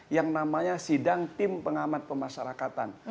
yang namanya sidang tim pengamat pemasarakatan